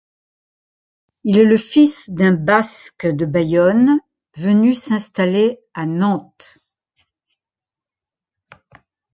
Il est le fils d'un Basque de Bayonne venu s'installer à Nantes.